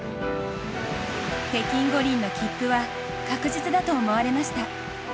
北京五輪の切符は確実だと思われました。